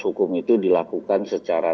hukum itu dilakukan secara